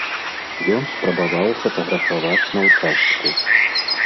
Ён спрабаваў фатаграфаваць на ўчастку.